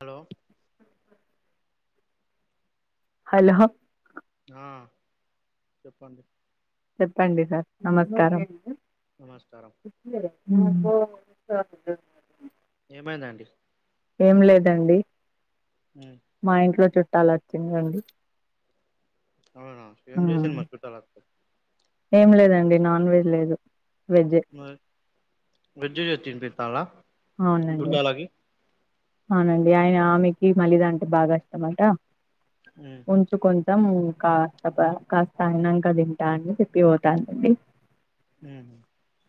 Hello hello ఆ చెప్పండి చెప్పండి సార్ నమస్కారం నమస్కారం హ్మ్ [unintelligible] ఏమైందండి ఏం లేదండి ఉమ్, మా ఇంట్లో చుట్టాలు వచ్చిండ్రండి అవునా ఏం చేసింరు మరి చుట్టాలోతే ఏం లేదండి నాన్ వెజ్ లేదు వెజ్జే వెజ్జ్ జేస్తిన్ పెత్తాలా అవునండి అవునండీ ఆయన ఆమెకీ మల్లిదాంటె బాగా ఇష్టమట ఉమ్, ఉంచు కొంచం కాస్తపా కాస్త అన్నాంక తింటా అని చెప్పిపోతంటిమి ఉహ్మ్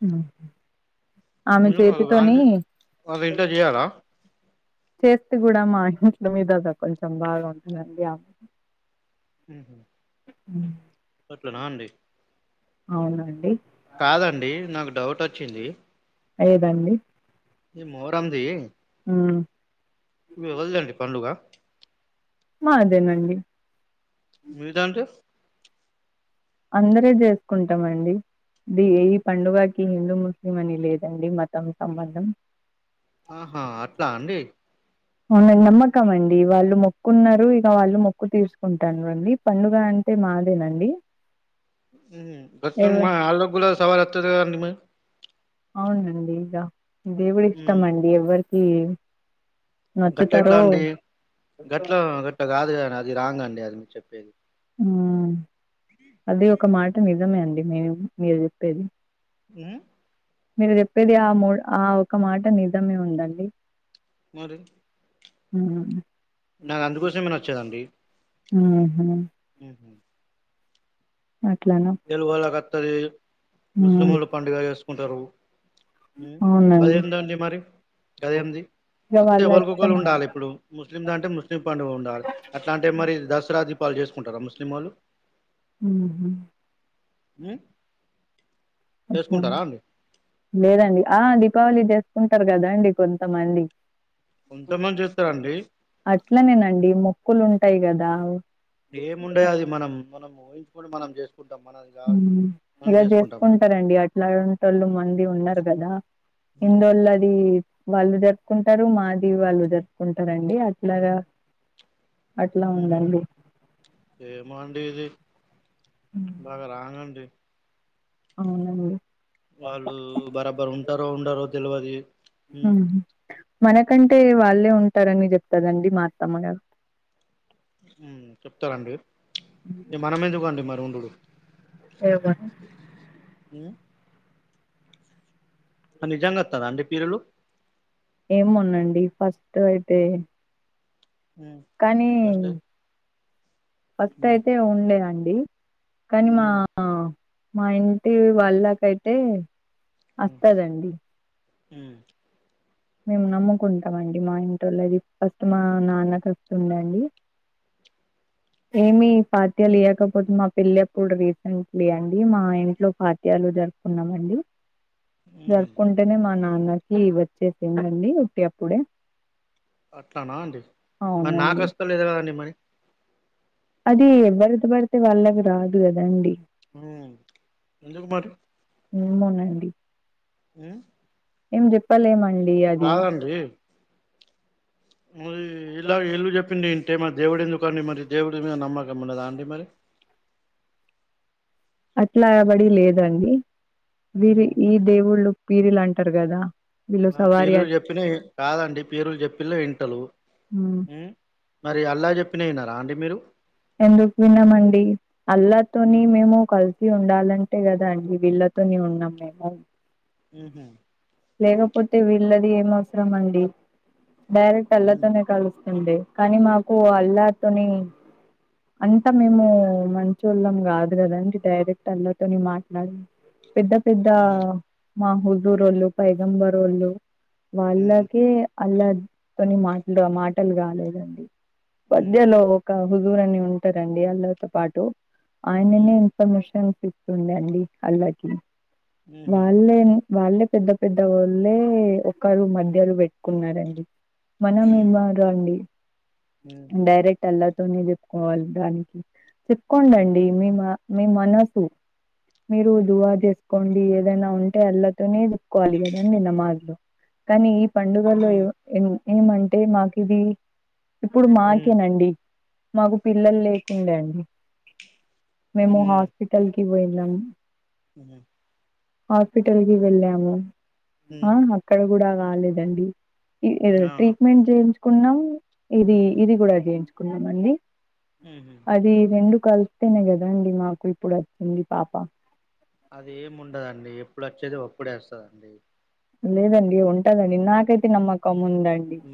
హ్మ్ మీరు కదు వాల్ని వాళ్ళింట్లో చేయరా చేస్తే గూడా మా [unintelligible] మీద కొంచెం బాగా ఉంటుందండి ఆ ఉహ్మ్మ్ హ్మ్ అట్లనా అండి అవునండి కాదండీ నాకు డౌటోచ్చింది ఏదండి ఈ మోర్హందీ ఊ ఎవల్దండి పండుగ మాదెనండి మీదాంటె అందరు జేస్కుంటమండి ఇది ఏ ఈ పండుగాకి హిందూ ముస్లిం అని లేదండి మతం సమందం ఆహా అట్లా అండి అవునడి నమ్మకం అండీ వాళ్ళు మొక్కున్నారూ ఇక వాల్లు మొక్కు తీర్చుకుంటాడ్రు అండీ పండుగ అన్ ంటే మాదేనండి మ్ ఎవ [unintelligible] ఆల్లగ్గులా సవాలొత్తది కదండి మయి. అవునండి ఇజ ఉమ్, దేవుడిష్టమండీ ఎవ్వరికీ గట్లఎట్లా అండీ గట్లా గట్టగాదు కాని అది రాంగ్ అండి అది మీరు చెప్పేది మ్ అది ఒక మాట నిజమే అండి మేం మీరు చెప్పేది నా మీరు చెప్పేది ఆ మూడ్ ఆ ఒక మాట నిజమేవుందండి మరి హా నాకు అందుకోసమెనచ్చేదండి ఆ హ హ అట్లానా. తెలుగోలా కత్తదీ హ్మ్. ముస్లిమోలు పండుగ చేస్కుంటరూ మ్ అవునండి. అదేందండి మరి గాదెన్ది ఇగ అంత్తే వాళ్ళ ఓలకొకలు ఇష్టమండి. ఉండాలెప్పుడూ ముస్లిందా అంటె ముస్లిం పండుగ ఉండాలి అట్లాంటే మరి దసరా దీపాలి చేస్కుంటారా ముస్లింమాల్లు ఊహ్ మ్మ్ లేదండి ఆ దీపావలి చేస్ ఉంటరు కదండి కొంతమంది కొంతమంది చేస్తాండి అట్లనేనండీ మొక్కులుంటయి గదావ్ ఏముండయా అది మనం మనం ఊహించుకొని మనం చేసుకుంటాం మనది కా మ్ మనం ఇలా చేసుకుంటామండి చేస్కుంటరండి అట్లాంటోల్లు మంది ఉన్నారు గదా హిందోల్లదీ వాళ్ళు జరుపుకుంటారు మాదివి వాళ్ళు జరుపుకుంటారంండి అట్లాగా అట్లా ఉందండి. ఏమో అండి హ్మ్. బాగా రాంగండి అవునండి వాళ్ళు బరాబరు ఉంటారో ఉండారో తెల్వది హుహు. మనకంటే వాళ్ళే ఉంటారని చెప్తదండి మా అత్తమ్మగారు చెప్తారండి ఇ మనం ఎందుకు అండి మరి ఉండుడు ఎమోండి ఆ అ నిజంగాత్తద అంటే పిరలు ఏమోనండి ఫస్ట్ అయితే కానీ ఫస్ట్ ఫస్ట్ ఉమ్ అయితే ఉండేదండి కానీ మా ఉమ్ మా ఇంటి వాళ్ళకైతే వస్తదండి అ మేము నమ్ముకుంటామ అండి మా ఇంట్లొలు అది ఫస్ట్ మా నాన్న కస్తు ఉండండి ఏమి పాత్యాలు ఇయ్వకపోతే మా పెళ్లి అప్పుడు రీసెంట్లీ అండి మా ఇంట్లో పాత్యాలు జరుపుకున్నామండి ఉహు జరుపుకుంటేనే మా నాన్నకి వచ్చేసిందండి ఉట్టి అప్పుడే అట్లానా అండి మరి నాకు అవునండి అస్తలేదు కదండి మరి అది ఎవరికి పడితే వాళ్లకి రాదు కదండీ ఎందుకు మరి ఏమోనండి అ ఏం చెప్పాల ఏమండి కాదండీ మరి ఇలా ఎల్లు చెప్పిండడి ఇంటేమరి దేవుడు ఎందుకు అండి మరి దేవుడి మీద నమ్మకం ఉన్నదా అండి మరి అట్లా అబడి లేదండి వీరి ఉమ్ ఈ దేవుళ్ళు వీరి లాంటే అంటారు కదా వీళ్ళు ఆ సవారి పీలులు చెప్పిన కాదండి పీరులు చెప్పిలే ఇంటలు హ్మ్ మరి అల్లా చెప్పినయి విన్నారండి ఎందుకు విన్నామండి అల్లాతోని ఉమ్ మేము కలు సి ఉండాలంటే కదా అండి వీళ్ళతోనే ఉన్నాం మేము ఊహ్మ్ లేకపోతే వీళ్ళది ఏం అవసరం అండి డైరెక్ట్ అవును అల్లతోనే కలుస్త ండి కానీ మాకు అల్లాతోని అంతా మేము మంచోళ్ళం కాదు కదండి డైరెక్ట్ అల్లతోని మాట్లాడ ఎబ పెద్ద ఉహు మా హుదుర్ వాళ్ళు పైగంబర్ వాళ్ళు హ్మ్ వాళ్ళక అల్ల తోని మాటలు మాటలు కాలేదండి హ్మ్ మద్యలో ఒక జూరువాణి ఉంటారండి వాళ్ళతో పాటు ఆయననే హ్మ్ ఇన్ఫర్మేషన్ స్తుంది అండి అల్లాకి ఉహూ వాళ్ళే వాళ్ళే పెద్ద పెద్దవాళ్ళే ఒకరు మధ్యలో పెట్టుకున్నడి మనం హ్మ్ ఇమార అండి హ్మ్ డైరెక్ట్ అల్లాతోనే చెప్పుకోవాలి దానికి హ్మ్ చెప్పుకోడండి మే మా మీ మనసు మీరు దువా చేసుకోండి ఏదైనా ఉంటే అల్లతోనే కోవాలి కదాం నిన్న మాార్లో కానీ ఈ పండుగలో హ్మ్ ఏమంటే మాకు ఇది ఇప్పుడు హ్మ్ మాకేనండి మాకు పిల్లలు లేకుండే అండి మేము హాస్పిటల్ ఇ్వాయిల హ హాస్పిటల్కి వెళ్ళాము ఆ హ్మ్ అక్కడ కూడా కాలేదండి ఆహా ట్రీట్మెంట్ చేయించుకున్నా ఇది హ్మ్ ఇది కూడా చేయించుకున్నాం అండి ఉహూ అది రెండు కలిస్తేనే కదాండి మాకు ఇప్పుడు వచ్చింది పాప అది ఏముండదండి ఎప్పుడు వచ్చేది ఒప్పుడేస్తదండి లేదండి ఉంటదండి ఇన్కైతే నమ్మక్కం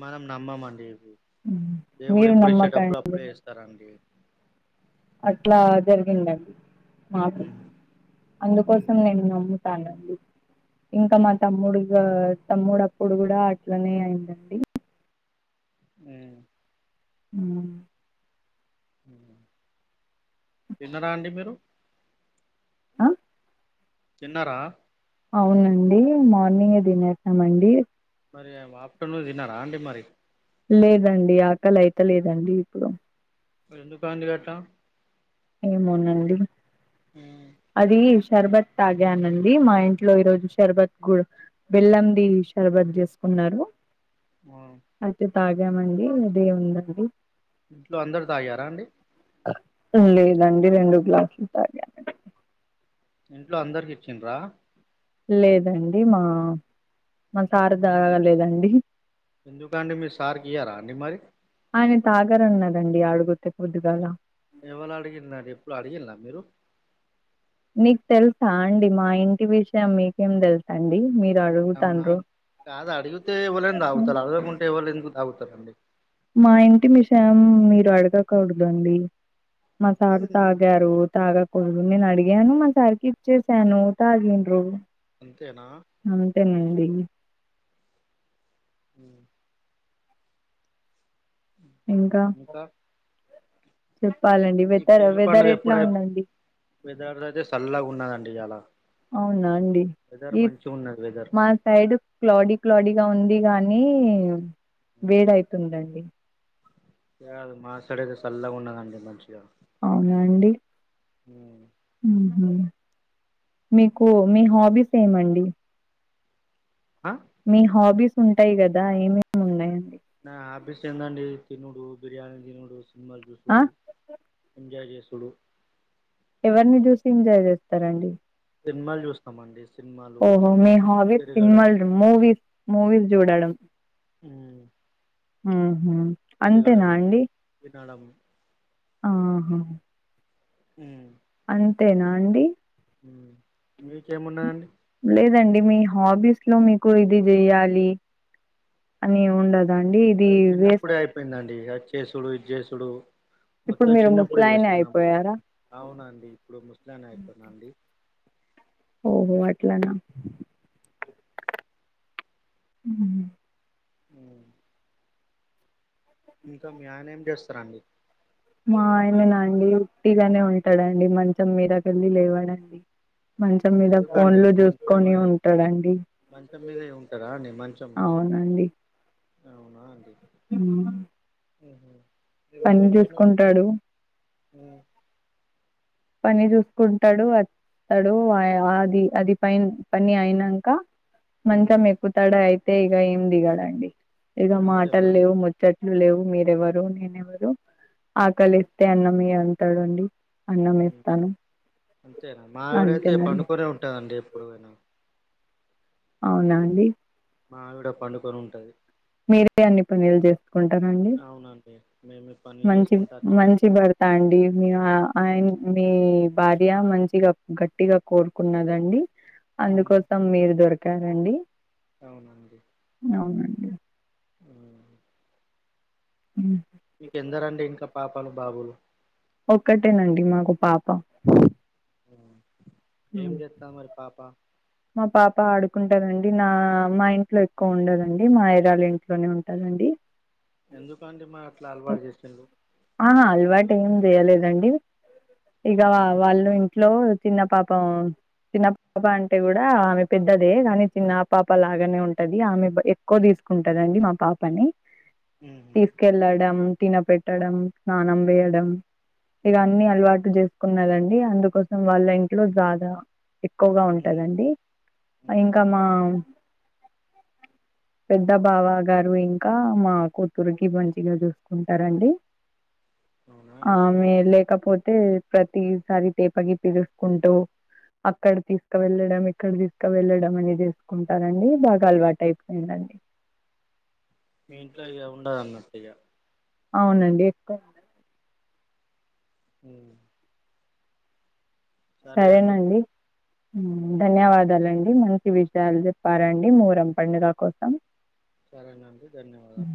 మనం నమ్మమండి ఇది హ్మ్. దేవుడు మీరు ఎప్పుడు ఇచ్చేటప్పుడు నమ్మకండి అప్పుడే ఇస్తారంండి అట్లా జరిగిందండి మాకు హ్మ్ అందుకోసం హ్మ్ నేను నమ్ము తనండి ఇంకా హ్మ్ మా తమ్ముడు తమ్ముడప్పుడు కూడా అట్లనే అయిందండి అ అ హ్మ్ తిన్నారా అండి మీరు ఆ తిన్నారా అవునండి మార్నింగే తినేసమండి మరి ఆఫ్టేర్నూన్ తిన్నారా ఆండి మరి లేదండి ఆకలి అయితలేదండి ఇప్పుడు మరిఎందుకండీ గటా ఏమోనండి హ్మ్ అది షర్బత్ తాగానండి మా ఇంట్లో ఈ రోజు షరబత్ బెల్లం ది షార్భత్ చేసుకు ఉన్నారు ఆ తాగామండి ఉదయం నుండి ఇంట్లో అందరు తాగారా అండి లేదండి రెండు గ్లాసులు తాగానండి ఇంట్లో అందరికి ఇచ్చండ్రా లేదండి మా మా సార్ తాగలేదండి ఎందుకండి మీ సార్ కియారా అండి మరి తాగరన్నరండి ఆడుగుతె పొద్దుగాల ఎవల్ అడిగిన్నర్ ఎప్పుడు అడిగిన్ల మీరు మీక్ తెల్సా అండి మా ఇంటి విషయం మీకేం తెల్సండి. మీర్ అవునా కాదు అడుగుతే ఎవలన్న హ్మ్. తాగుతల్ అడగకుంటే ఎవల్ ఎందుకు తాగుతరండి. మా ఇంటి మిషయం మీరు అడగకూడదు అండి. మా సార్ హ్మ్. తాగారు తాగకుడ నేను అడిగాను మా సార్కి ఇచ్చేసాను తాగిండ్రు. అంతేనా అండి హ్మ్. ఇంకా చెప్ ఈ పీర్ల పండుగ ఎప్పుడై వెదర్ అయితే సల్లగున్నదండి ఇయాల అవునా అండి వెదర్ ఈ మంచిగా ఉన్నది వెదర్ మా సైడ్ క్లాడీ క్లాడీగా ఉం ది గానీ వేడైతుందండి. ఏ గాదు మా సైడ్ అయితే సల్లగున్నదండి మంచిగ అవునా అండి మ్ హ్ మీకు మీ హాబీస్ ఏమండి? ఆ మీ హాబీస్ ఉంటాయి కదా ఏమేమేం ఉన్నయన్ నా హాబీస్ ఏందండి తినుడు, బిర్యానీ తినుడు సినిమాల్ ఆ చూసుడు, ఎంజాయ్ చేస్ సుడు ఎవర్ని చూసి ఎంజాయ్ చేస్తరండి? సినిమాలు చూస్తామండి సినిమాలు ఓహో మీ హాబీస్ తిరగడం సిన్మా మూవీస్ ముూవీస్ చూడడం. మ్ మ్ హ్ అంతెన అండి. తినడం ఆహా ఉమ్ అంతేనా అండి. మీకేమున్నయండి లేదండి మీ హాబీస్లో మీకు ఇది జేయాలి అని ఉండ అది చిన్నప్పుడే అయిపోయిందండి అచ్చేసుడు ఇద్ చేసుడు ఇప్పుడు మొత్తం మీరు చిన్నప్పుడే ముస్లాయేనే చేసుకున్నాము అయిపోయారా అవునండి ఇప్పుడు ముస్లనే అయిపోయిన అండి. ఓహో అట్లనా హ్ అ ఇంకా మీ ఆయన ఏం చేస్తరండి? మా ఆయననా అండి ఉట్టిగనే ఉంటడండి మంచం మీదకెళ్ళి లేవడండి. మంచం మీద ఎందుకండి ఫోన్లు మంచం చూస్కొని ఉంటడండి. మంచం మీదే ఉంటారా అండి మంచం అవునా అండి. మ్ ఆహా పన్ జూస్కుంటాడు. ఉమ్ పని చూసుకుంటడు అస్ స్తడు ఆ య అది అది ప పని అయినంక హ్మ్ మంచం ఎక్కుతడయితే ఇగ ఏం దిగడండి ఇక అంతేనా మాటలు అండి లేవు ముచ్చట్లే లేవు మీరెవరో నేనెవరో ఆకలేస్తే అన్నం ఇయ్యి అంటడండి అన్నం ఉమ్ ఇస్తాను అంతేన మావిడయితే అంతేనండి పండుకునే ఉంటందండి ఎప్పుడుఅయిన అవున అండి మావిడ పండుకొని ఉంటది మీరే అన్ని పనులు చేసుకుంటనండి మేమి పను మంచిది మంచి భర్త అండి మీ ఆయన హ్మ్ మీ భార్య మంచి గట్టిగ కోరుకున్నదండి హ్మ్ అందుకోసం మీరు దొరికారండి అవునండి అవునండి ఊమ్ ఉమ్ మీకెందరండి ఇంక పాపలు బాబులు ఒక్కటే నండి మాకు పాప ఉమ్ ఏం హ్మ్. చెత్తాంది మరి పాప మా పాప ఆడుకుంటదండి నా మా ఇంట్లో ఎక్కువ ఉండదండి మా అయ్యగారు ఇంట్లోనే ఉంటదండి ఎందుకు అండి మరి అట్ల అలవాటు చేస్తుండ్లు ఆహా అలవాటు ఏం చేయలేదండి ఇగ హ్మ్ వాళ్ళు లో చిన్న పాప చిన్న పాప అంటె కూడ ఆమె పెద్దదే కానీ చిన్న పాప లాగనే ఉంటది ఆమె ఎక్కువ తీస్ కుంటదండి మా పాపని ఉహ్మ్ తిన పెట్టడం స్నానం చేయడం హ్మ్ ఇవన్ని అలవాటు చేస్ కున్నరండి అందుకోసం వాళ్ళ ఇంట్లో బాగ ఎక్కువగ హ్మ్ ఉంటదండి హ్మ్ ఇంకా మా పెద్ద బావ గారు ఇంక మా కూతురుకి మంచిగ చూస్ కుంటరండి అవునా అండి ఆమె లేకపోతే అయితే ప్రతిసారి తీపకి పిలుస్తుంటే అక్కడ తీసుకు వెళ్ళడం ఇక్కడ తీసుక వెళ్ళడం అనేది చేసుకుంటరండి బాగ అలవాటు అయిపోయిందండి ఉమ్ మీ ఇంట్లో ఇగ ఉండదు అన్నట్టు ఇగ అవునండి ఎక్కువ ఉమ్ సరేనండి ఉమ్ హ్మ్. ధన్యవాదాలండి మంచి విజయాలు చెప్పారండి మొహర్రం పండుగ కోసం సరేనండి ధన్యవాదాలు